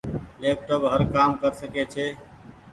ليپ ٽوپ هر ڪآ م ڪر ڪسي ڇي۔